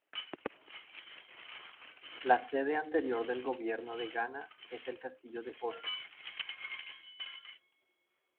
La sede anterior del gobierno de Ghana es el castillo de Osu.